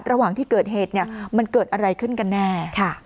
ระหว่างที่เกิดเหตุมันเกิดอะไรขึ้นกันแน่